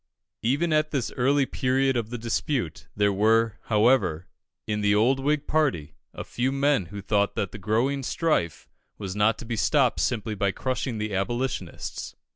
Even at this early period of the dispute, there were, however, in the old Whig party, a few men who thought that the growing strife was not to be stopped simply by crushing the Abolitionists.